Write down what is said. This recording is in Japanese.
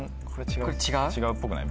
違うっぽくない？